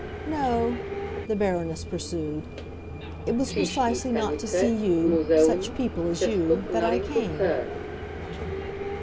No," the Baroness pursued, "it was precisely not to see you—such people as you—that I came."